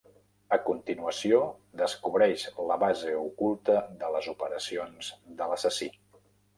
A continuació, descobreix la base oculta de les operacions de l'assassí.